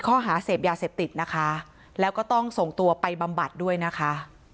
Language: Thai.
ข้อหาเสพยาเสพติดนะคะแล้วก็ต้องส่งตัวไปบำบัดด้วยนะคะ